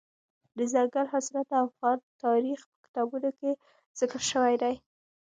دځنګل حاصلات د افغان تاریخ په کتابونو کې ذکر شوی دي.